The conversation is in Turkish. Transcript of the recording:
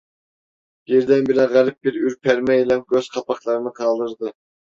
Birdenbire garip bir ürpermeyle gözkapaklarını kaldırdı.